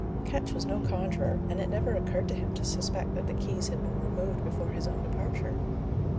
Ketch was no conjuror, and it never occurred to him to suspect that the keys had been removed before his own departure.